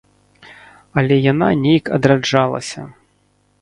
Але яна нейк адраджалася.